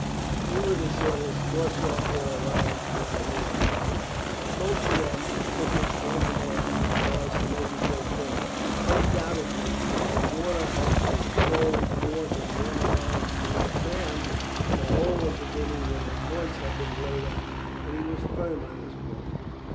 A few of the sailors tossed off their allowance without water, but most of them took it half and half, so as to make it go further. Undoubtedly if the warder would have sold more than one allowance to each man the whole of the guinea would at once have been laid out, but he was firm on this point.